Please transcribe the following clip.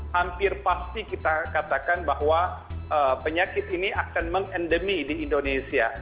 hampir pasti kita katakan bahwa penyakit ini akan mengendemi di indonesia